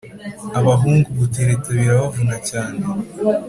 Abahungu gutereta birabavuana cyane